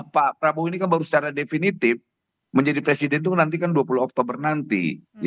pak prabowo ini kan baru secara definitif menjadi presiden itu nanti kan dua puluh oktober nanti